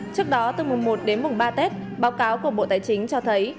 trước đó từ mùng một đến mùng ba tết báo cáo của bộ tài chính cho thấy